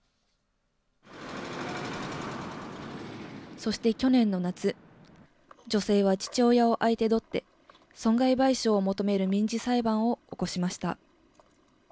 そして去年の夏、女性は父親を相手取って、損害賠償を求める民事裁判を起こしました。